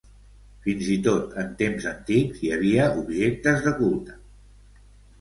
Fins i tot en temps antics hi havia objectes de culte.